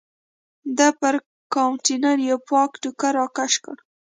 ده پر کاونټر یو پاک ټوکر راکش کړ.